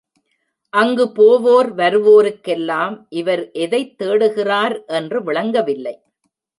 அங்கு போவோர் வருவோருக்கெல்லாம் இவர் எதைத் தேடுகிறார் என்று விளங்கவில்லை.